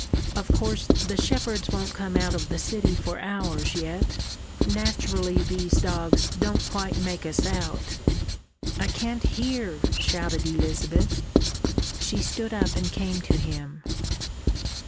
"Of course the shepherds won't come out of the city for hours yet. Naturally these dogs don't quite make us out." "I can't hear," shouted Elizabeth. She stood up and came to him.